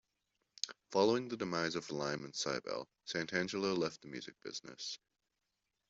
Following the demise of lyme and cybelle, Santangelo left the music business.